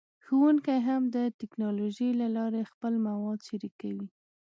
ښوونکي هم د ټیکنالوژۍ له لارې خپل مواد شریکوي.